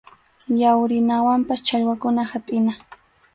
Yawrinawanpas challwakuna hapʼina.